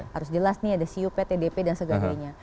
harus jelas nih ada cup tdp dan sebagainya